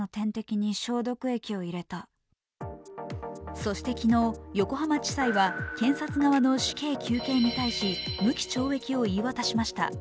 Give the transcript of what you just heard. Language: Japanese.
そして昨日、横浜地裁は検察側の死刑求刑に対し無期懲役を言い渡しました。